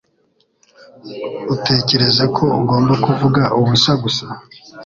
utekereza ko ugomba kuvuga ubusa gusa